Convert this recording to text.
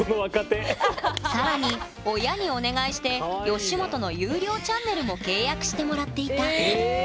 更に親にお願いして吉本の有料チャンネルも契約してもらっていたええ！